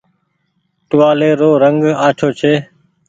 ٽوهآلي رو رنگ آڇو ڇي۔